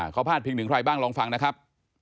เขาพาดพิงถึงใครบ้างลองฟังนะครับ